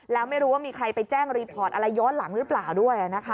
แล้วไม่รู้ว่ามีใครไปแจ้งรีพอร์ตอะไรย้อนหลังหรือเปล่าด้วย